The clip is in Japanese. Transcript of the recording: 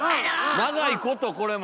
長いことこれも！